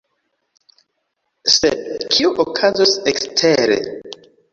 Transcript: Sed kio okazos ekstere?